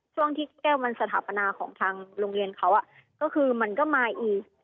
ช่วงที่แก้วมันสถาปนาของทางโรงเรียนเขาก็คือมันก็มาอีก